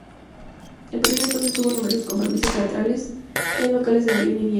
A partir de entonces tuvo numerosos compromisos teatrales en locales de Berlín y Viena.